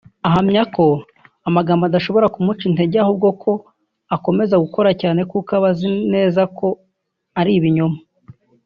Ahamya ko amagambo adashobora kumuca intege ahubwo ko akomeza gukora cyane ko aba azi neza ko ari ibinyoma